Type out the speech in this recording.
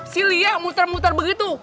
si lia muter muter begitu